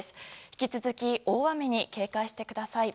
引き続き大雨に警戒してください。